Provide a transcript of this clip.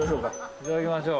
いただきましょう。